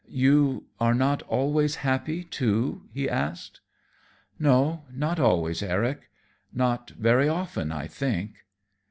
"You are not always happy, too?" he asked. "No, not always, Eric; not very often, I think."